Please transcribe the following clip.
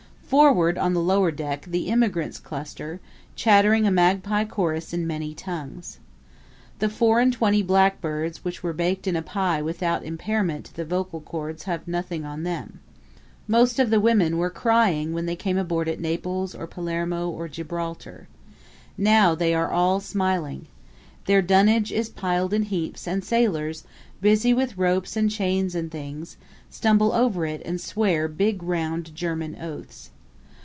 Forward, on the lower deck, the immigrants cluster, chattering a magpie chorus in many tongues. The four and twenty blackbirds which were baked in a pie without impairment to the vocal cords have nothing on them. Most of the women were crying when they came aboard at Naples or Palermo or Gibraltar. Now they are all smiling. Their dunnage is piled in heaps and sailors, busy with ropes and chains and things, stumble over it and swear big round German oaths.